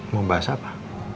mau bahas apa